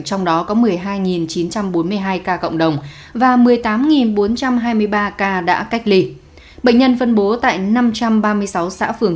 trong đó có một mươi hai chín trăm bốn mươi hai ca cộng đồng và một mươi tám bốn trăm hai mươi ba ca đã cách ly bệnh nhân phân bố tại năm trăm ba mươi sáu xã phường